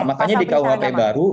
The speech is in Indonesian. makanya di kuhp baru